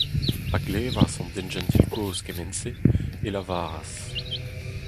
Pa glevas hon denjentil kozh kement-se, e lavaras :